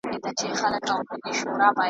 دا تاريخ دمېړنيو .